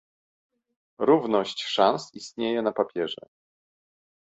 Równość szans istnieje na papierze